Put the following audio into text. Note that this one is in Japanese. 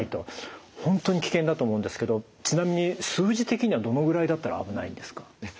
本当に危険だと思うんですけどちなみに数字的にはどのぐらいだったら危ないんですか？